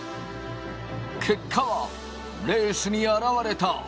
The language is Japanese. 結果はレースに現れた。